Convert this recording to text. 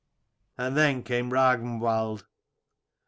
And then came Ragnwald.